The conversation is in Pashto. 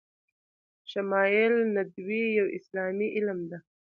شمایل ندوی یو اسلامي علم ده